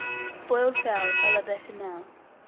BOILED FOWLS A LA BECHAMEL. 943.